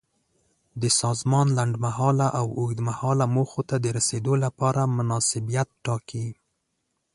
د سازمان لنډمهاله او اوږدمهاله موخو ته د رسیدو لپاره مناسبیت ټاکي.